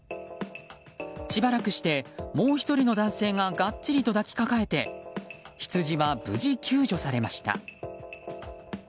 しばらくして、もう１人の男性ががっちりと抱きかかえて羊は無事救助されました。